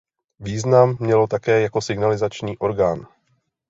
Význam mělo také jako signalizační orgán.